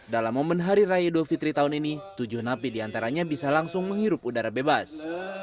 dalam momen hari raya idul fitri tahun ini tujuh napi diantaranya bisa langsung menghirup udara bebas